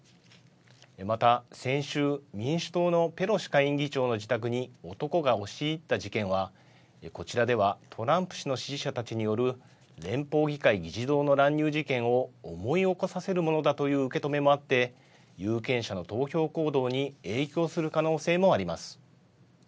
また先週、民主党のペロシ下院議長の自宅に男が押し入った事件は、こちらではトランプ氏の支持者たちによる、連邦議会議事堂の乱入事件を思い起こさせるものだという受け止めもあって、有権者の投票行動に影響する可能性もあります。